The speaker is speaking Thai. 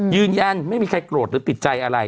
ยืนยันไม่มีใครโกรธหรือติดใจอะไร